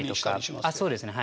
あっそうですね。